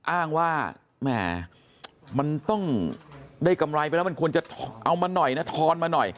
อ้างว่าแหมมันต้องได้กำไรไปแล้วมันควรจะเอามาหน่อยนะทอนมาหน่อย